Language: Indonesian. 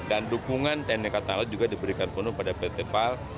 dan dukungan tni angkatan laut juga diberikan penuh pada pt pal